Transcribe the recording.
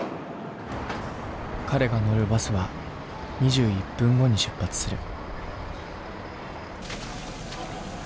彼が乗るバスは２１分後に出発する。